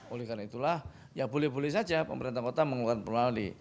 oleh karena itulah ya boleh boleh saja pemerintah kota mengeluarkan perlawanan